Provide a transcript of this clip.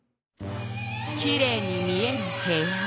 きれいに見える部屋。